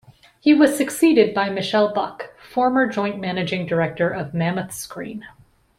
He was succeeded by Michele Buck, former joint managing director of Mammoth Screen.